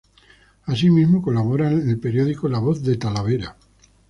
Así mismo colabora en el periódico "La Voz de Talavera".